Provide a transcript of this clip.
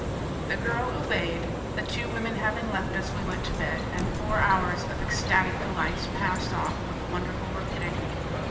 The girl obeyed. The two women having left us, we went to bed, and four hours of ecstatic delights passed off with wonderful rapidity.